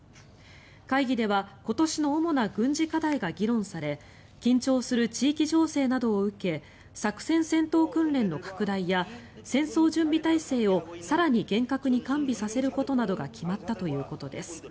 会議では今年の主な軍事課題が議論され緊張する地域情勢などを受け作戦戦闘訓練の拡大や戦闘準備体制を更に厳格に完備させることなどが決まったということです。